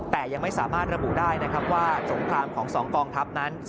แต่ยังไม่สามารถระบุได้นะครับว่าสงครามของ๒กองทัพนั้น